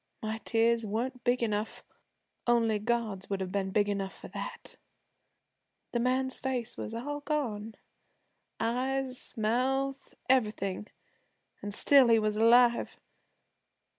My tears weren't big enough; only God's would have been big enough for that. 'The man's face was all gone, eyes, mouth, everything, an' still he was alive.